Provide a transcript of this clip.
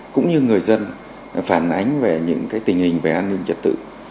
cũng như người dân phản ánh về những tình hình về an ninh trật tự